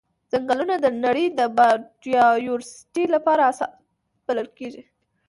ځنګلونه د نړۍ د بایوډایورسټي لپاره اساس بلل کیږي.